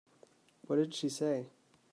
What did she say?